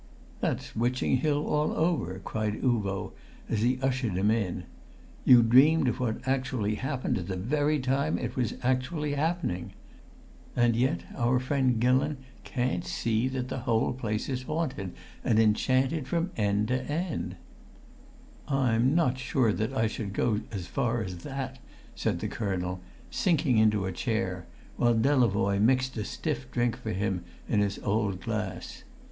"That's Witching Hill all over!" cried Uvo as he ushered him in. "You dreamed of what actually happened at the very time it was actually happening. And yet our friend Gillon can't see that the whole place is haunted and enchanted from end to end!" "I'm not sure that I should go as far as that," said the colonel, sinking into a chair, while Delavoye mixed a stiff drink for him in his old glass.